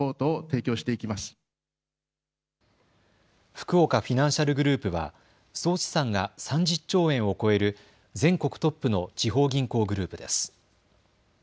ふくおかフィナンシャルグループは総資産が３０兆円を超える全国トップの地方銀行グループです。